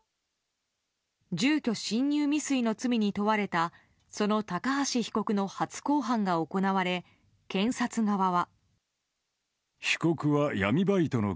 住居侵入未遂の罪に問われたその高橋被告の初公判が行われ、検察側は。